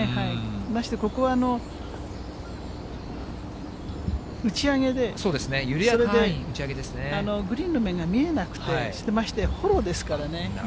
ましてここは、打ち上げで、グリーンの目が見えなくて、フォローですからね。